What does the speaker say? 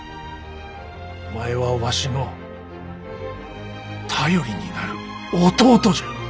お前はわしの頼りになる弟じゃ。